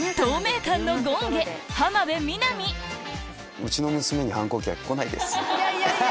うちの娘に反抗期は来ないですアハハ！